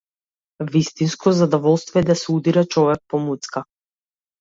Вистинско задоволство е да се удира човек по муцка!